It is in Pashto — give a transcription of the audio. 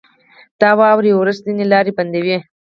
• د واورې اورښت ځینې لارې بندوي.